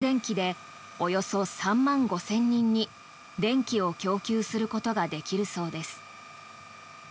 この発電機でおよそ３万５０００人に電気を供給することができるそうです。